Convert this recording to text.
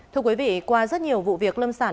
thưa quý vị qua rất nhiều vụ việc lâm sản